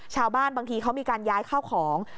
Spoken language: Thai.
ชาวบ้านบางทีเขามีการย้ายข้าวของ